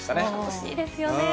おいしいですよね。